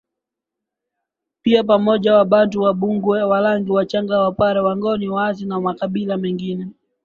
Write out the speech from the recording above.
pamoja wabantu Wambungwe Warangi Wachagga Wapare Wangoni Waasi na Makabila mengine